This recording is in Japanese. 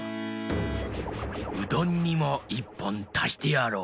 うどんにも１ぽんたしてやろう。